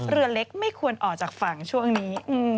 เรือเล็กไม่ควรออกจากฝั่งช่วงนี้